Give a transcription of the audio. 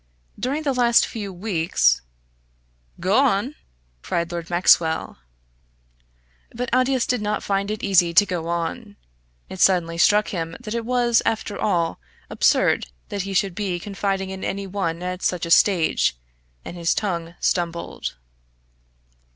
During the last few weeks " "Go on!" cried Lord Maxwell. But Aldous did not find it easy to go on. It suddenly struck him that it was after all absurd that he should be confiding in any one at such a stage, and his tongue stumbled.